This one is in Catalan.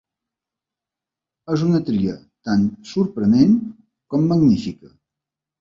És una tria tan sorprenent com magnífica.